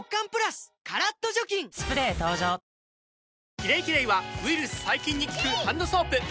「キレイキレイ」はウイルス・細菌に効くハンドソープ！